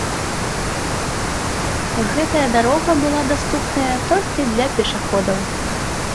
Гэтая дарога была даступная толькі для пешаходаў.